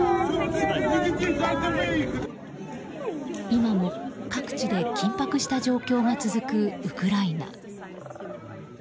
今も各地で緊迫した状況が続くウクライナ。